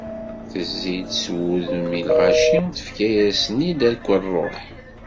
Tezzi-d s wudem i lɣaci, tefka-yasen-id akk rruḥ.